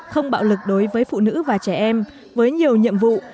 không bạo lực đối với phụ nữ và trẻ em với nhiều nhiệm vụ